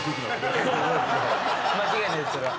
間違いないですそれは。